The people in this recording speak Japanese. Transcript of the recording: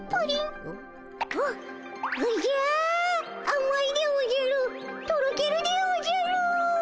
あまいでおじゃるとろけるでおじゃる！